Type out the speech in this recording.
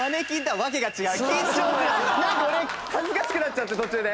なんか俺恥ずかしくなっちゃって途中で。